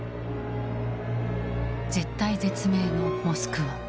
絶体絶命のモスクワ。